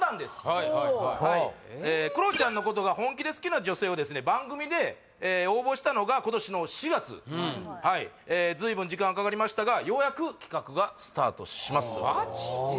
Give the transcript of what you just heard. はいはいはいクロちゃんのことが本気で好きな女性を番組で募集したのが今年の４月随分時間がかかりましたがようやく企画がスタートしますマジで？